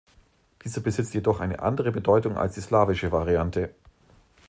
Dieser besitzt jedoch eine andere Bedeutung als die slawische Variante.